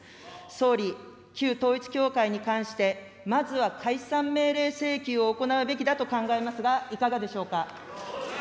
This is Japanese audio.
総理、旧統一教会に関して、まずは解散命令請求を行うべきだと考えますが、いかがでしょうか。